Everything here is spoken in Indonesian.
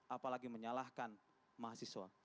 apalagi menyalahkan mahasiswa